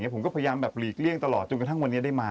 ผมก็พยายามแบบหลีกเลี่ยงตลอดจนกระทั่งวันนี้ได้มา